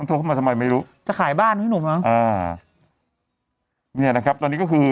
มันโทรเข้ามาทำไมไม่รู้จะขายบ้านหรือหนูบ้างนี่นะครับตอนนี้ก็คือ